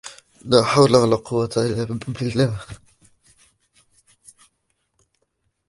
لا حول ولا قوة الا بالله